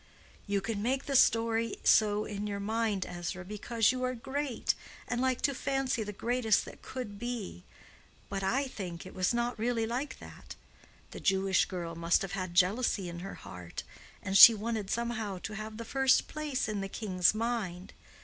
"You can make the story so in your mind, Ezra, because you are great, and like to fancy the greatest that could be. But I think it was not really like that. The Jewish girl must have had jealousy in her heart, and she wanted somehow to have the first place in the king's mind.